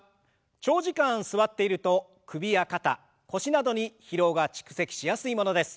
長時間座っていると首や肩腰などに疲労が蓄積しやすいものです。